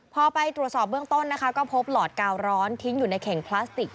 พอไปตรวจสอบเบื้องต้นนะคะก็พบหลอดกาวร้อนทิ้งอยู่ในเข่งพลาสติก